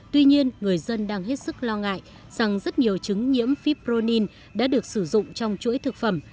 tuy nhiên người dân đang hết sức lo ngại rằng rất nhiều chứng nhiễm fipronin đã được sử dụng trong chuỗi thực phẩm